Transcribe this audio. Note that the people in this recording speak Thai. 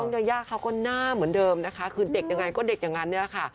ยายาเขาก็หน้าเหมือนเดิมนะคะคือเด็กยังไงก็เด็กอย่างนั้นเนี่ยแหละค่ะ